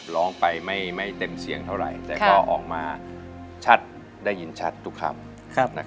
ร้องไปไม่เต็มเสียงเท่าไหร่แต่ก็ออกมาชัดได้ยินชัดทุกคำ